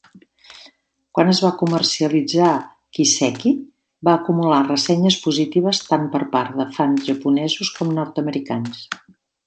Quan es va comercialitzar, "Kiseki" va acumular ressenyes positives tant per part de fan japonesos com nord-americans.